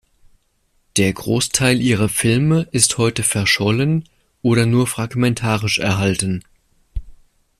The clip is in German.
Der Großteil ihrer Filme ist heute verschollen oder nur fragmentarisch erhalten.